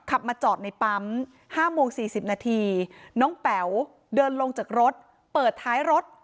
ขับมาจอดในปั๊ม๕โมง๔๐นาทีน้องแป๋วเดินลงจากรถเปิดท้ายรถ